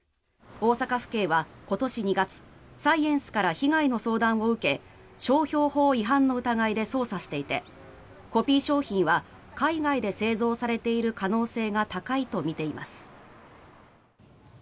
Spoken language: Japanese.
大阪府警は今年２月サイエンスから被害の相談を受け商標法違反の疑いで捜査していてコピー商品は海外で製造されている可能性が高いとみています。